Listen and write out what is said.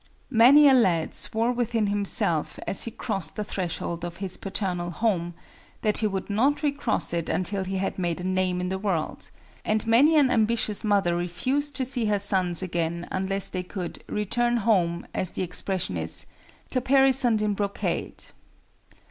Many a lad swore within himself as he crossed the threshold of his paternal home, that he would not recross it until he had made a name in the world: and many an ambitious mother refused to see her sons again unless they could "return home," as the expression is, "caparisoned in brocade."